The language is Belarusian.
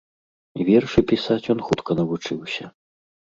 Вершы пісаць ён хутка навучыўся.